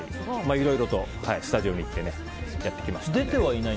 いろいろとスタジオに行ってやってきました。